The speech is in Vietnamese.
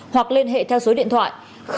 hoặc liên hệ theo số điện thoại